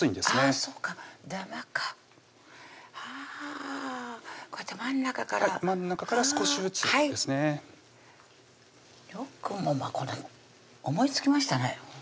あそっかダマかあこうやって真ん中から真ん中から少しずつですねよくもまぁ思いつきましたね